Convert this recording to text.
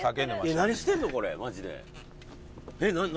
何してんのこれマジでえっ何？